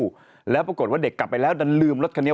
อยู่แล้วปรากฏว่าเด็กกลับไปแล้วดันลืมรถคันนี้